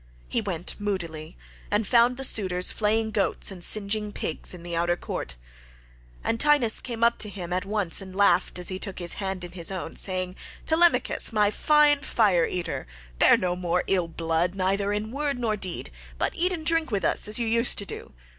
He went moodily home, and found the suitors flaying goats and singeing pigs in the outer court. Antinous came up to him at once and laughed as he took his hand in his own, saying, "Telemachus, my fine fire eater, bear no more ill blood neither in word nor deed, but eat and drink with us as you used to do.